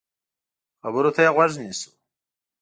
خبرو ته يې غوږ نیسو.